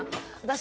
私